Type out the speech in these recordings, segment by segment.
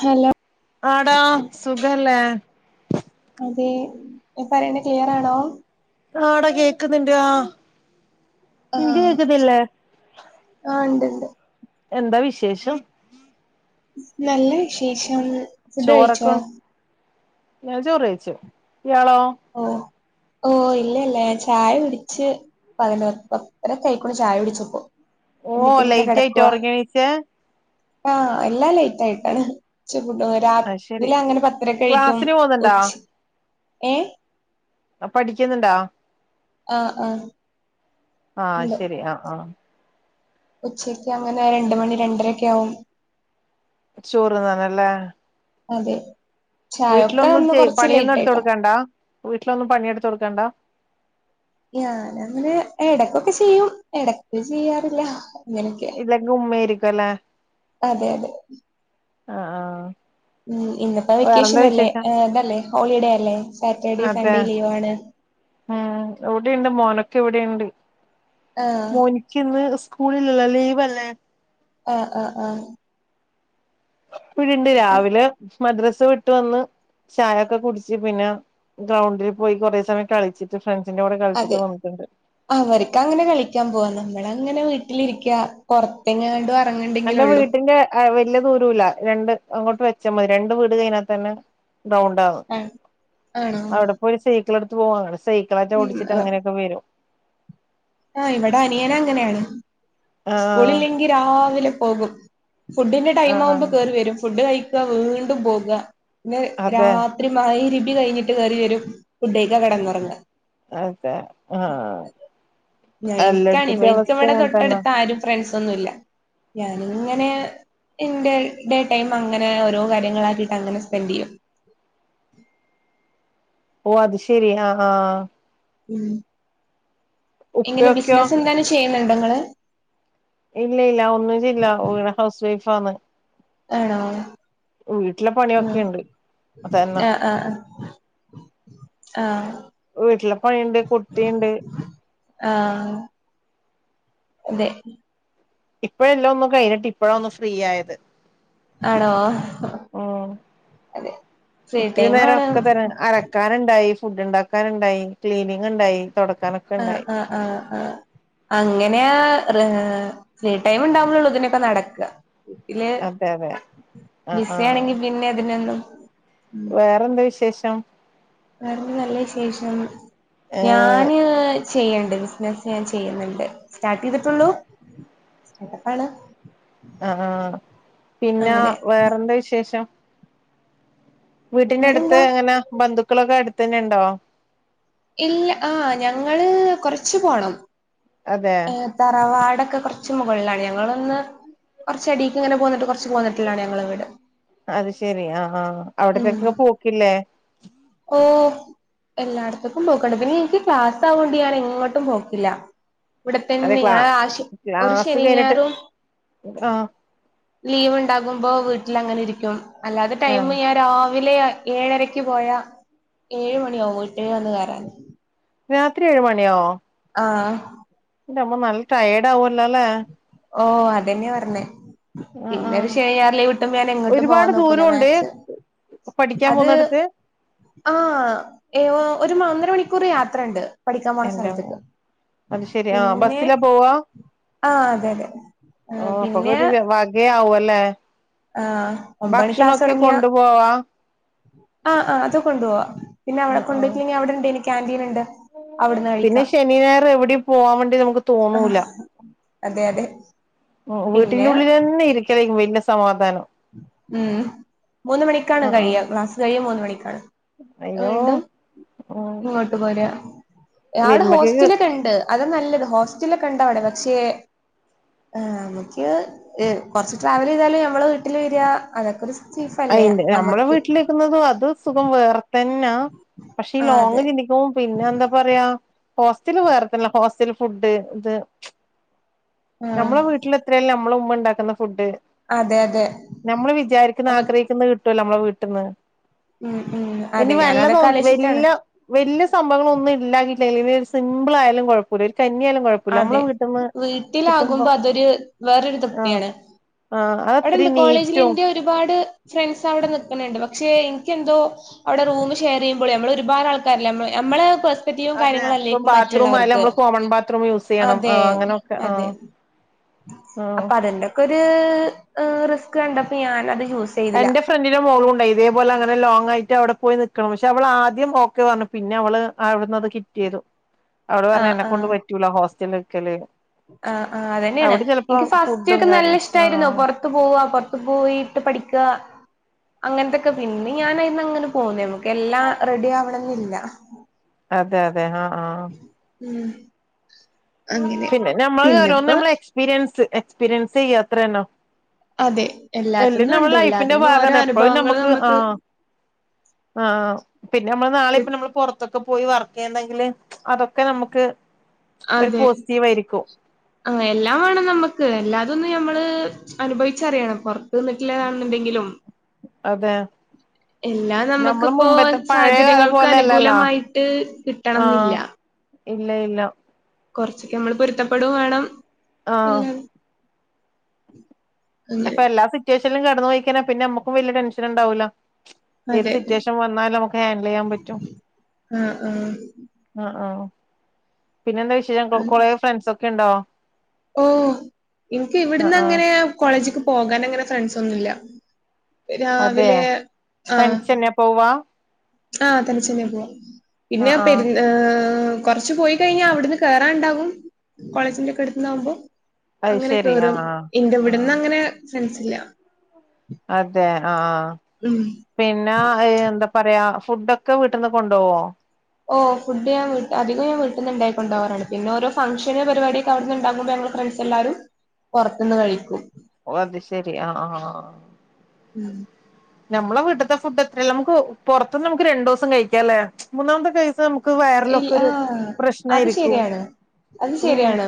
Hello ആടാ സുഖല്ലേ അതെ എ പറയണ ക്ലിയറാണോ ആട കേക്കുന്നുണ്ട് ആഹ് ആഹ് ആഹ് ഉണ്ട്ണ്ട് എന്താ വിശേഷം നല്ല വിശേഷം ഫുഡ് ചോറൊക്കെ കഴിച്ചോ ഉം ഞൻ ചോറ്യ്ച്ചു ഇയാളോ ഓഹ് ഓഹ് ഇല്ലല്ല ഞൻ ചായ കുടിച്ച് പതിന പത്രരക്കയിക്കോണ്ട് ചായ കുടിച്ചപ്പോ ഓ എന്നിട്ട്ങ്ങനെ ലേറ്റ് ആയിട്ട് കിടക്കവാ ഉറങ്ങിണീച്ചേ ആഹ് എല്ല ലേറ്റ് ആയിട്ടാന് [unintelligible] അത് ശരി രാത്രിലങ്ങനെ പത്തര്ക്ക് കഴിക്കും ക്ലാസ്സിന് പോകുന്നുണ്ടാ ഉച്ച ഏഹ് ആഹ് പഠിക്കുന്നുണ്ടാ ആഹ് ആഹ് ആഹ് ഉണ്ട് ശരി ആഹ് ആഹ് ഉച്ചക്ക് അങ്ങനെ രണ്ട മണി രണ്ടരൊക്കെ ആകും ചോറ്ന്നനല്ലേ അതെ ചായൊക്കെ വീട്ടിലൊന്നും ഇന്ന് കൊറച്ച് പണിയൊന്നും ലേറ്റ് എടുത്ത ആയിട്ടാ കൊടുക്കണ്ടാ വീട്ടിലൊന്നും പണിയെടുത്തടുക്കണ്ടാ ഞാനങ്ങനെ ഇടക്കൊക്കെ ചെയ്യും ഇടക്ക് ചെയ്യാറില്ല അങ്ങനൊക്കെ ഇല്ലങ്കി ഉമ്മാരിക്കല്ലേ അതെ അതെ ആഹ് ആഹ് ഉം ഇന്നപ്പോ വെക്കേഷൻ അല്ലേ ഇതല്ലേ ഹോളിഡേ അല്ലേ സാറ്റർഡേ അതെ സൺഡേ ലീവ് ആണ് ഉം എവിടെുണ്ട് മോനൊക്കെ ഇവിടെുണ്ട് ആഹ് മോൻ എന്ന് സ്കൂളില്ലല്ലോ ലീവല്ലേ ആഹ് ആഹ് ആഹ് ഇവടണ്ട് രാവിലെ മദ്രസ് വിട്ട് വന്ന് ചായൊക്ക കുടിച്ച് പിന്നെ ഗ്രൗണ്ടില് പോയി കോറെ സമയം കളിച് ഫ്രണ്ട്സിന്റെ കൂടെ കൾച്ട്ട് വന്നിട്ട്ണ്ട് അവര്ക്ക് അങ്ങനെ കളിക്ക്യാം പോവാലോ ഇവടെ അങ്ങനെ വീട്ടിലിരിക്യ പൊർത്തെങ്ങാണ്ടോ എന്റെ വീട്ടിന്റെ വല്ല്യ ദൂരുല്ല രണ്ട് അങ്ങോട്ട് വെച്ചാ മതി രണ്ട് വീട് കഴിഞ്ഞാ തന്നെ ഗൗണ്ടാണ് ആഹ് ആണോ അവ്ട പോഴി ഒരു സൈക്കിള് ഇട്ത്ത് പോവാ അങ്ങനെ സൈക്കിളറ്റ ഉം ഓടിച്ചിട്ട് അങ്ങനെയേക്കെ വരും ആ ഇവട അനിയനങ്ങനെണ് ആഹ് സ്കൂളില്ലെങ്കി രാവിലെ പോകും ഫുഡിന്റെ ടൈമ് ആവുമ്പോ ആഹ് കേറി വരും ഫുഡ് കഴിക്ക വീണ്ടും പോക പിന്നെ രാ അതെ ത്തിരി മഗ് രിബി കഴിഞ്ഞിട്ട് കെറി വരും ഫുഡയിക്കാ കെടന്നൊറങ്ങ അതെ ആ ഞാ ഇൻക്കാണ് ഇൻക്ക് ഇവടെ അങ്ങനെ തന്നെ തൊട്ടട്ത്ത ആരും ഫ്രണ്ട്സ് ഒന്നുല്ല ഞാനിങ്ങനെ ഇന്റെ ഡേ ടൈമ് അങ്ങനെ ഓരോ കാര്യങ്ങളാക്കിയിട്ട് അങ്ങനെ സ്പെൻഡ് ചെയ്യും ഓ അത് ശരി ആ ആ ഉം എങ്ങനെ ഉപ്പയൊക്കെയോ ബിസ്നസ് എന്തേലും ചെയ്യ്ന്ന്ണ്ടോ ഇങ്ങള് ഇല്ല ഇല്ല ഒന്നും ചെയ്യ്ല്ല ഇവടെ ഹൗസ് വൈഫ ആന്ന് ആണോ വീട്ടിലെ ഉം പണിയൊക്കെണ്ട് അതന്നെ ആ ആ ആ ആ വീട്ടിലെ പണിണ്ട് കുട്ടിണ്ട് ആ അതെ ഇപ്പഴെല്ലോം ഒന്ന് കഴിഞ്ഞിട്ട് ഇപ്പഴ ഒന്ന് ഫ്രീ ആയത് ആണോ ഉം അതെ ഫ്രീ ഇത്തിരി ടൈം നേരം ഒക്ക ആണ് തരാ അല ക്കാന്ണ്ടായി ഫുഡ് ഇണ്ടാക്കാന്ണ്ടായി ക്ലീനിങ് ഇണ്ടായി ആ ആ ആ ആ അങ്ങെനാ ഫ്രീ ടൈമ് ഇണ്ടാവുമ്പളോള്ളൂ ഇതിന ഒക്ക നടക്ക വീട്ടില് അതെ അതെ ആ ആ ബിസി ആണെങ്കി പിന്നെ അതിനൊന്നും വേറെ എന്താ വിശേഷം വേറെ നല്ല ശേഷം ഏ ഞാന് ചെയ്യ്ണ്ട് ബിസ്നസ്സ് ഞാൻ ചെയ്യുന്ന്ണ്ട് സ്റ്റാർട്ട് ചെയ്തിട്ടുള്ളൂ എതപ്പാണ് ആ ആ പിന്ന വേറെന്താ വിശേഷം വീട്ട്ന്റെ എട്ത്ത് വേറെന്താ എങ്ങന ബന്ധുക്കളൊക്ക അട്ത്ത്ന്നെ ഇണ്ടോ ഇല്ല ആ ഞങ്ങള് കൊർച്ച് പോണം അതെ തറവാടക്കെ കൊർച്ച് മുകൾലാണ് ഞങ്ങളൊന്ന് കൊർച്ച അടീക്ക് ഇങ്ങനെ പോന്നിട്ട് കൊർച്ച് പോന്നി ട്ടിലാ ഞങ്ങള വീട് അത് ശരി ആ ആ ഉം അവ്ടത്തെക്കെക്ക പോക്കില്ലേ ഓ എല്ലാട്ത്ത്ക്കും പോക്ക്ണ്ട് പിന്നെ ഇൻക്ക് ക്ലാസ് ആവോണ്ട് ഞാന് എങ്ങട്ടും പോക്കില്ല ഇവടെ അതെ തന്നെ ക്ലാ ഞാ ആഷി ഒരു ക്ലാസ് ശനിം കഴിഞ്ഞിട്ട് ഞായറും ആ ലീവ് ഇണ്ടാകുമ്പോ വീട്ടില് അങ്ങനെ ഇരിക്കും അല്ലാതെ ആ ടൈമ് ഞാൻ രാവിലെ ഏഴരക്ക് പോയാ ഏയ്‌ മണിയാവും വീട്ട്ല് വന്ന് കേറാന് രാത്രി ഏഴ് മണി ആവോ ആ ഇന്റ മ്മോ നൽ ടയേഡ് ആവോല്ലോ ലെ ഓഹ് അതന്നെ പറഞ്ഞേ ആ ആ പിന്നെരു ശനിഞായറ് ലീവ്ട്ടുമ്പ ഞാൻ എങ്ങട്ടും പോവാൻ ഒരുപാട് നോക്കൂല ദൂരമുണ്ട് മാക്സി പഠിക്കാൻ പോന്നടുത്ത് ആഹ് ഏഹ് ഒരു ഒന്നര മണിക്കൂർ യാത്രണ്ട് പഠിക്കാൻ പോണ എന്റമ്മോ സ്ഥലത്ത്ക്ക് അത് ശെരി ആ പിന്നെ ബസ്സിലാ പോവാ ആഹ് അതെ അതെ ഓഹ് പിന്നെ അപ്പൊക്കൊരു വകേ ആവുല്ലേ ആഹ് ഒമ്പത് മണി ക്ലാസ് ഭക്ഷണൊക്കെ തുടങ്ങിയ കൊണ്ടു പോവാ ആഹ് ആഹ് അത് കൊണ്ട് പോവാ ആ പിന്നെവിടെ ആ കൊണ്ട് പോയി അവിടെണ്ട് കാന്റീൻ ഉണ്ട് അവിടുന്ന് പിന്നെ കഴിക്കാം ശനി ഞായറ് എവിടെ പോവാൻ വേണ്ടി നമുക്ക് തോന്നൂല ആഹ് അതെ അതെ ഉം വീട്ടിന്റെ പിന്നെ ഉള്ളിലെന്നെ ഇരിക്കല വലിയ സമാധാനം ഉം മൂന്ന് മണിക്കാണ് ആ ആ കഴിയ ക്ലാസ് കഴിയ മൂന്ന് മണിക്കാണ് അയ്യോ വീണ്ടും ഉം ഇങ്ങോട്ട് പോരാ അവിടെ വരുമ്പക്കേക്ക് ഹോസ്റ്റലൊക്കെണ്ട് അതാ നല്ലത് ഹോ സ്റ്റലൊക്കെണ്ടവിടെ പക്ഷേ ആഹ് നമുക്ക് കുറച്ച് ട്രാവൽ ചെയ്താലും ഞമ്മള് വീട്ടില് വരിക അതൊക്കെരു സേഫല്ലേ അയിന്റെ നമ്മളെ നമുക്ക് വീട്ടിലിരിക്കുന്നതും അത് സുഖം വേറെ തന്നാ പക്ഷെ ഈ ആഹ് അതെ ലോങ്ങ് ചിന്തിക്കുമ്പം പിന്നെ എന്താ പറയാ ഹോസ്റ്റല് വേറത്തന്നെ ഹോസ്റ്റൽ ഫുഡ് ഇത് ആഹ് നമ്മളെ വീട്ടില് എത്രയാലും നമ്മളെ ഉമ്മ ഉണ്ടാക്കുന്ന ഫുഡ് അതെ അതെ നമ്മള് വിചാരിക്കുന്ന നമ ആ കിട്ടുവല്ലോ നമ്മളെ വീട്ടിൽന്ന് ഉം ഉം ഇനി അതെ ഞാൻ വല്ലോ അതൊക്കെ ആലോചിച്ചിട്ടാണ് വല്ല വലിയ സംഭവങ്ങളൊന്നും ഇല്ലാക്കിട്ടില്ല ഇനി ഒരു സിമ്പിൾ ആയാലും കുഴ പ്പല്ല കഞ്ഞിയാലും കുഴപ്പല്ല നമ്മളെ അതെ വീട്ട്ന്ന് കിട്ടുമ്പോ വീട്ടിലാകുമ്പോ അതൊരു വേറൊരു ആഹ് തൃപ്തിയാണ്. ആഹ് അവിടെണ്ട് അതത്രീം കോളേജിൽ നീറ്റും ഇന്റെ ഒരുപാട് ഫ്രണ്ട്സ് അവിടെ നിക്കുന്നുണ്ട് പക്ഷെ എനിക്കെന്തോ അവിടെ റൂം ഷെയർ ചെയ്യുമ്പോളെ നമ്മള് ഒരുപാട് ആൾക്കാരില്ലെ നമ്മ നമ്മള് തിയും കാര്യങ്ങളും അല്ലേക്കും മറ്റുള്ളവർക്ക് കോമൻ ബാത്റൂമ് യൂസ് ചെയ്യണം അതെ ആഹ് അങ്ങനൊക്കെ അതെ ആഹ് ആഹ് അപ്പം അതിന്റെക്കൊരു റിസ്ക് കണ്ടപ്പം ഞാനത് യൂസ്... ചെയ്തില്ല. എന്റെ ഫ്രണ്ടിന്റെ മോളുണ്ട് ഇതേപലെങ്ങനെ ലോങ്ങായിട്ട് അവിടെ പോയി നിക്കണം. പക്ഷെ അവള് ആദ്യം ഓക്കെ പറഞ്ഞു പിന്നെ അവള് അവിടുന്ന് അത് കിറ്റിയ്തു അവള് പറഞ്ഞു ആഹ് എന്നെക്കൊണ്ട് ആഹ് പറ്റൂല ഹോസ്റ്റല് നിക്കല് ആഹ് ആഹ് അതന്നെയാണ് അവിടെ ചെലപ്പോ ഇൻക്ക് ഫസ്റ്റ് ഫുഡും ഒക്കെ നല്ല കാര്യം ആ ഇഷ്ട്ടായിരൂന്നു പൊറ പൊറത്തു പോവാ പൊറത്ത് പോയിട്ട് പഠിക്ക അങ്ങനത്തൊക്കെ പിന്നെ ഞാനായിന്നങ്ങനെ പോന്നു നമുക്ക് എല്ലാം റെഡിയാവണന്നില്ല അതെ അതെ ആഹ് ആഹ് ഉം അങ്ങനെ പിന്നെ നമ്മള് ഓരോന്ന് പിന്നെപ്പോ നമ്മളെ എക്സ്പീരിയൻസ് എക്സ്പീരിയൻസ് ചെയ്യ അത്രന്നെ അതെ. എല്ലാം എല്ലാത്തിന്നും നമ്മളെ ഉണ്ട് ലൈഫിന്റെ എല്ലാത്തിന്നും ഓരോ ഭാഗാണ് എപ്പോഴും അനുഭവങ്ങൾ നമ്മക്ക്.. ആഹ് പിന്നെ നമ്മള് നാളെ കി ഇപ്പം നമ്മള് പൊറത്തൊക്കെ പോയി വർക്ക് ചെയ്യുന്നെങ്കിൽ അതൊക്കെ നമുക്ക് ഒരു അതെ പോസിറ്റീവ് ആയിരിക്കും ആഹ് എല്ലാം വേണം നമ്മക്ക് എല്ലാതൊന്ന് ഞമ്മള് അനുഭവിച്ചറിയാണം പൊറത്ത്ന്നിട്ടില്ലതാണെന്നുണ്ടെങ്കിലും അതെ എല്ലാം നമ്മള് നമുക്പ്പോ മുമ്പത്തെ പഴയ കാലം സാഹചര്യങ്ങൾക്ക് പോലെയല്ലല്ലോ അനുകൂലമായിട്ട് ആ കിട്ടണംന്നില്ല ഇല്ല ഇല്ല കൊറച്ചൊക്കെ നമ്മള് പൊരുത്തപ്പെടും വേണം ആഹ് പിന്നെ ഉം അപ്പൊ എല്ലാ സിറ്റുവേഷനും കടന്ന്പോയികയ്ഞ പിന്നെ നമ്മുകും വല്യ ടെൻഷൻ ഉണ്ടാവൂല്ല ഏത് അതെ സിറ്റുവേഷൻ വന്നാലും നമുക്ക് ഹാൻഡിൽ ചെയ്യാൻ പറ്റും ആഹ് ആഹ് ആ ആഹ് പിന്നെ എന്താ വിശേഷം കൊറെ ഫ്രണ്ട്സ് ഒക്കെ ഉണ്ടോ ഓ എനിക്ക് ആഹ് ഇവിടന്ന് ആഹ് അങ്ങനെ കോളേജ്ക്ക് പോകാൻ അങ്ങനെ ഫ്രണ്ട്സ് ഒന്നുല്ല രാവിലെ ആഹ് പോവാം ആഹ് തനിച്ചെന്നെ പോവാം പിന്നെ ആഹ് പെ ആഹ് കുറച്ച് പോയി കഴിഞ്ഞാൽ അവിടുന്ന് കേറാണ്ടാകും കോളേജിന്റെ ഒക്കെ അടുത്ത്ന്നാവുമ്പോ അത് അങ്ങനെ ശരി കേറും ആഹ് ആഹ് ഇന്റെ ഇവിടന്ന് ആഹ് അങ്ങനെ ഫ്രണ്ട്സി ഇല്ല അതെ ആഹ് ആ പിന്നെ എന്താ പറയാ ഫുഡൊക്കെ വീട്ടിൽ നിന്ന് കൊണ്ടുപോവോ ഓ ഫുഡ് ഞാൻ അധികം ഞാൻ വീട്ടിന്ന് ഇണ്ടാകി കൊണ്ടാകാറാണ് പിന്നെ ഓരോ ഫംങ്ഷന് പരിപാടി അവിട്ന്ന് ഉണ്ടാകുമ്പോ ഞങ്ങള് ഫ്രണ്ട്സ് എല്ലാരും പൊറത്ത്‌ന്ന് കഴിക്കും ഓ അത് ശരി ആഹ് ആഹ് ഉം നമ്മളെ വിട്ട്ത്തെ ഫുഡ് എത്രല്ല നമുക്ക് പുറത്ത്ന്ന് നമുക്ക് രണ്ടു ദിവസം കഴിക്കാംല്ലേ മൂന്നാമത്തെ കൈസ് ഇല്ല ആ അത് ശരിയാണ് അത് ഉം ശരിയാണ്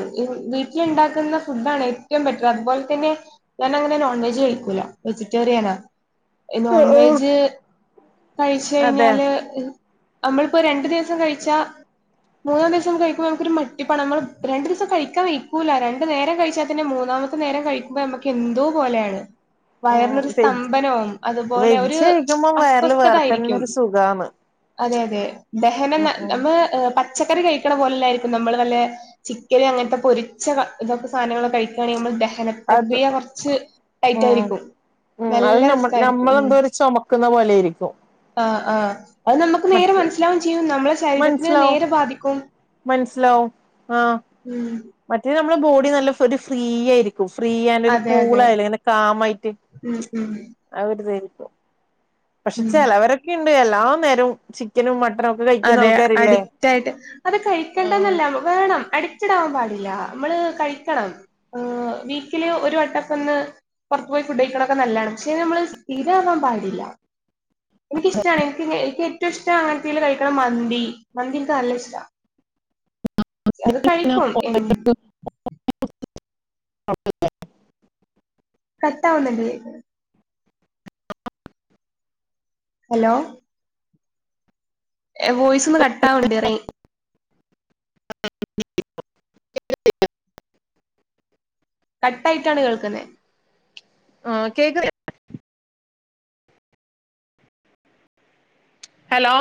വീട്ടില് ഇണ്ടാക്കുന്ന ഫുഡാണ് ഏറ്റവും ബെറ്റർ. അതുപോലെ തന്നെ ഞാൻ അങ്ങനെ നോൺ വെജ് കഴിക്കൂല വെജിറ്റേറിയനാ നോൺ ആഹ് ആഹ് വെജ് കഴിച്ച് അതെ കഴിഞ്ഞാല് നമ്മളിപ്പോ രണ്ടു ദിവസം കഴി ച്ച മൂന്നാം ദിവസം കഴിക്കുമ്പോ നമുക്ക് ഒരു മടിപ്പാണ് നമ്മള് രണ്ട് ദിവസം കഴിക്കാൻ വെഴിക്കൂല്ല രണ്ടു നേരം കഴിച്ചാൽ തന്നെ മൂന്നാമ രണ്ട് നേരം കഴിക്കുമ്പം നമ്മക്ക് എന്തോ പോലെയാണ് ഉം വയറിനൊരു വെജ് സ്തംഭനവും അതുപോലെ ഒരു വെജ് കഴിക്കുമ്പോ വയറില് വേറെ തന്നെ അസ്വസ്ഥതായിരിക്കും ഒരു സുഖാണ് അതെ അതെ. ദഹനം ഉം ഉം നമ്മ പച്ചക്കറി കഴിക്കണ പോലെല്ലായിരിക്കും നമ്മള് നല്ല ചിക്കന് അങ്ങൻത്തെ പൊരിച്ച ഇതൊക്കെ സാധനങ്ങളൊക്ക കഴിക്കുകയാണെങ്കിൽ നമ്മൾ ദഹന അത് പ്രക്രിയ കൊറച്ച് ടൈറ്റ് ഉം ആയിരിക്കും ഉം അത് നല്ല നമ്മ റിസ്ക് ആയിരിക്കും നമ്മളെന്തോ ചൊ മക്കുന്ന പോലെ ആയിരിക്കും ആ ആഹ് അത് നമ്മക്ക് നേരെ മനസ്സിലാവും ചെയ്യും നമ്മളെ ശരീരത്തിന് മനസിലാവും നേരെ ബാധിക്കും മനസിലാവും ആഹ് ഉം മറ്റേ നമ്മുടെ ബോഡി നല്ല ഒരു ഫ്രീ ആയിരിക്കും. ഫ്രീ ആൻ ഒരു അതെ അതെ കൂളായ്ലെ ഇങ്ങനെ കാമായിട്ട് ഉം ഉം ആ ഒരു ഇതായിരിക്കും. പക്ഷെ ഉം ചെലവരൊക്കെ ഉണ്ട് എല്ലാ നേരവും ചിക്കനും മട്ടനും ഒക്കെ കഴിക്കുന്ന അതെ ആൾക്കാരില്ലേ അഡിക്റ്റ് ആയിട്ട് അത് ആഹ് കഴിക്കണ്ടന്നല്ല വേണം അഡിക്റ്റഡ് ആവാൻ പാടില്ല നമ്മള് കഴിക്കണം വീക്കില് ഒരു വട്ടക്കൊന്ന് പുറത്ത് പോയി ഫുഡ് കഴിക്കണൊക്കെ നല്ലതാണ് പക്ഷെ നമ്മൾ സ്ഥീരാവാൻ പാടില്ല. എനിക്ക് ഇഷ്ടാണ് എനിക്ക് എനിക്ക് ഏറ്റവും ഇഷ്ട അങ്ങനെയുള്ള കഴി മന്തി മന്തി ഇൻക്ക് നല്ല ഇഷ്ട അത് ഹലോ കഴിക്കും എ [inaudible] കട്ടാവുന്നുണ്ട് ഹലോ വോയിസ് ഒന്ന് കട്ടാവുണ്ട് റെയ് കട്ടായിട്ടാണ് കേൾക്കുന്നെ ആഹ് കേക്ക് ഹലോ